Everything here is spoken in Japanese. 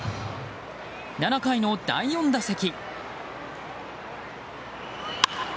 ７回の第４打席。